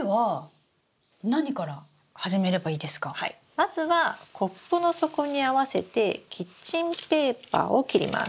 まずはコップの底に合わせてキッチンペーパーを切ります。